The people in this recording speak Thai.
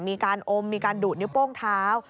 มีการอมมีการดุนิ้วโป้งเท้า